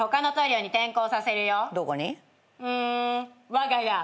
我が家。